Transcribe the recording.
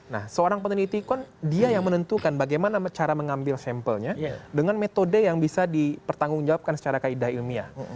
nah seorang peneliti dia yang menentukan bagaimana cara mengambil sampelnya dengan metode yang bisa dipertanggungjawabkan secara kaidah ilmiah